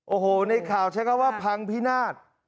โอ้โหในข่าวใช้คำว่าพังพินาศ